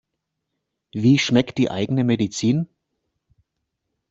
Wie schmeckt die eigene Medizin?